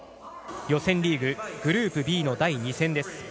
予選リーググループＢの第２戦です。